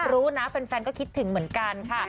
รู้นะแฟนก็คิดถึงเหมือนกันค่ะ